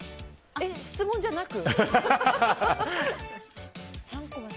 え、質問じゃなく？